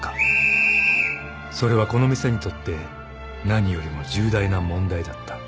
［それはこの店にとって何よりも重大な問題だった］